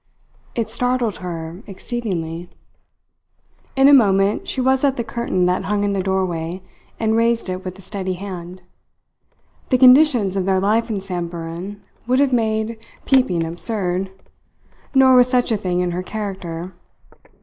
It startled her exceedingly. In a moment she was at the curtain that hung in the doorway, and raised it with a steady hand. The conditions of their life in Samburan would have made peeping absurd; nor was such a thing in her character.